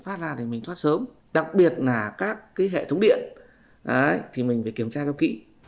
phát ra thì mình thoát sớm đặc biệt là các cái hệ thống điện thì mình phải kiểm tra cho kỹ